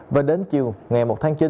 và đến chiều ngày một tháng chín